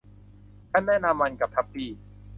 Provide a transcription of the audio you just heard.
ฉันแนะนำมันกับทับปี้